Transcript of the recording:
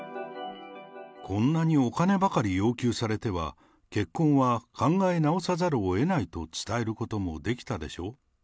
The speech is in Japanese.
こんなにお金ばかり要求されては、結婚は考え直さざるをえないと伝えることもできたでしょう。